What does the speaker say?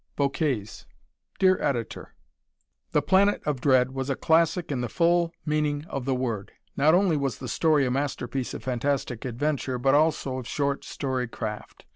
Bouquets Dear Editor: "The Planet of Dread" was a classic in the full meaning of the word. Not only was the story a masterpiece of fantastic adventure but also of short story craft.